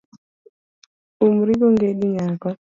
Umri gi ongedi nyako.